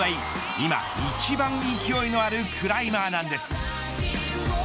今、一番勢いのあるクライマーなんです。